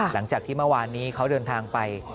หลังจากที่เมื่อวานนี้เขาเดินทางไป